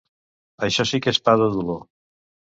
Això sí que és pa de dolor.